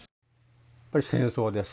やっぱり戦争です。